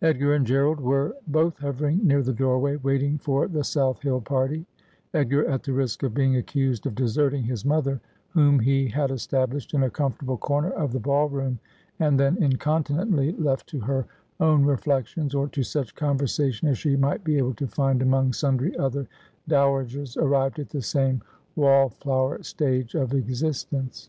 Edgar and Gerald were both hovering near the doorway, waiting for the South HiU party : Edgar, at the risk of being accused of deserting his mother, whom he had established in a comfortable corner of the ball room, and then incontinently left to her own reflections, or 'Al sodenly She swapt Adown to Ground.' 219 to such conversation as she might be able to find among sundry other dowagers arrived at the same wall flower stage of exist ence.